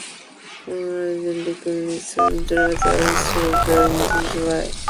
Comrade Dickinson's rather a stoutish fellow in his way.